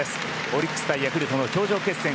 オリックス対ヤクルトの頂上決戦